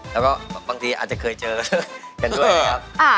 แล้วก็บางทีอาจจะเคยเจอกันด้วยนะครับ